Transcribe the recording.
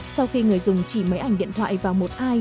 sau khi người dùng chỉ mấy ảnh điện thoại vào một ai